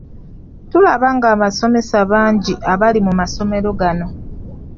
Tulaba ng’abasomesa bangi abali mu masomero gano.